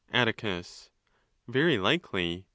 Atticus—Very likely.